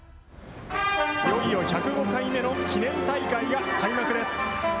いよいよ１０５回目の記念大会が開幕です。